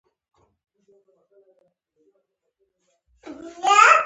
خو د ماسکو په غونډه کې